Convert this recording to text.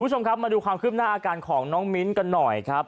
คุณผู้ชมครับมาดูความคืบหน้าอาการของน้องมิ้นกันหน่อยครับ